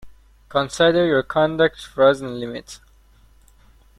Consider your conduct frozen limit.